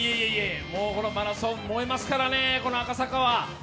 このマラソン、燃えますからね、この赤坂は。